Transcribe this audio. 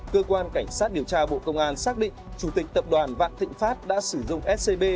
cơ quan cảnh sát điều tra bộ công an xác định chủ tịch tập đoàn vạn thịnh pháp đã sử dụng scb